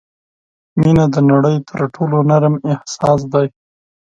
• مینه د نړۍ تر ټولو نرم احساس دی.